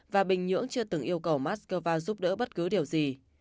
và bình nhưỡng chưa từng yêu cầu moscow giúp đỡ bất cứ điều gì